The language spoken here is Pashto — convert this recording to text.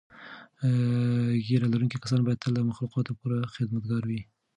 ږیره لرونکي کسان باید تل د مخلوقاتو پوره خدمتګار وي.